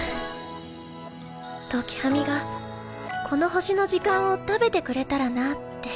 時喰みがこの星の時間を食べてくれたらなぁって。